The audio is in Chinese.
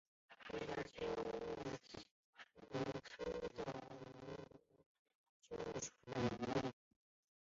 犁头鳅为平鳍鳅科犁头鳅属的鱼类。